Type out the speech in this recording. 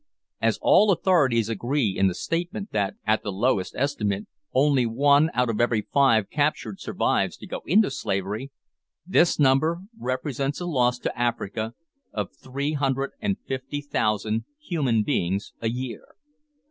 As all authorities agree in the statement that, at the lowest estimate, only one out of every five captured survives to go into slavery, this number represents a loss to Africa of 350,000 human beings a year.